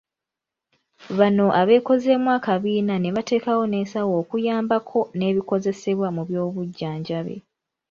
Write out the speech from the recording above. Bano abeekozeemu akabiina ne bateekawo n'ensawo okuyambako n'ebikozesebwa mu by'obujjanjabi.